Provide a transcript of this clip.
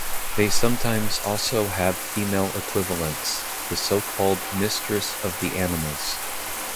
They sometimes also have female equivalents, the so-called Mistress of the Animals.